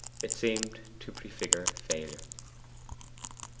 It seemed to prefigure failure.